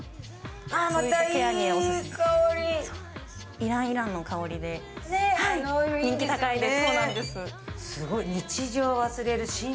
イランイランの香りで人気高いです。